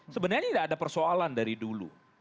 sebenarnya tidak ada persoalan dari dulu